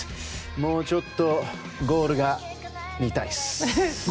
もうちょっとゴールが見たいっす。